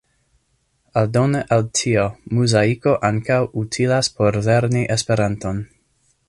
Aldone al tio, Muzaiko ankaŭ utilas por lerni Esperanton.